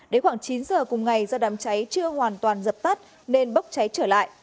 đến khoảng chín giờ cùng ngày do đám cháy chưa hoàn toàn dập tắt nên bốc cháy trở lại